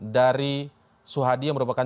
dari suhadi yang merupakan